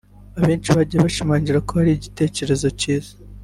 Abenshi bagiye bashimangira ko ari igitekerezo cyiza